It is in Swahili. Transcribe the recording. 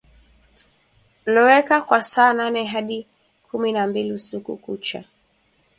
loweka kwa saa nane hadi kumi na mbili usiku kucha